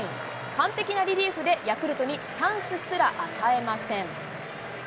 完璧なリリーフでヤクルトにチャンスすら与えません。